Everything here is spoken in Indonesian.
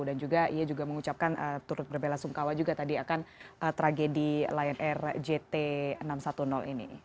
dan juga ia juga mengucapkan turut berbela sungkawa juga tadi akan tragedi lion air jt enam ratus sepuluh ini